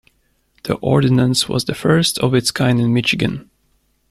The ordinance was the first of its kind in Michigan.